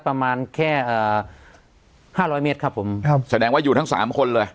ประมาณแค่อ่าห้าร้อยเมตรครับผมครับแสดงว่าอยู่ทั้งสามคนเลย